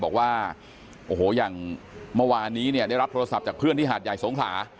บอกว่าโอ้โหอย่างเมื่อวานนี้เนี่ยได้รับโทรศัพท์จากเพื่อนที่หาดใหญ่สงขลา